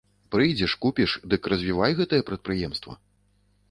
Прыйдзеш, купіш, дык развівай гэтае прадпрыемства.